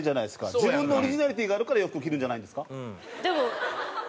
自分のオリジナリティーがあるから洋服を着るんじゃないんですか？